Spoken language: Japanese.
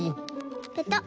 ペトッ。